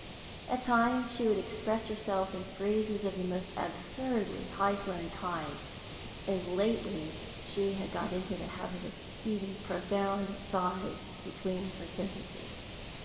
At times she would express herself in phrases of the most absurdly high flown kind, and lately she had got into the habit of heaving profound sighs between her sentences.